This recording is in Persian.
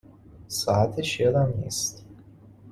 ساعتش یادم نیست